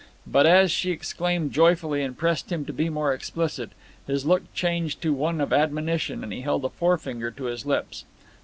But as she exclaimed joyfully and pressed him to be more explicit, his look changed to one of admonition, and he held a finger to his lips.